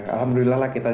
alhamdulillah lah kita juga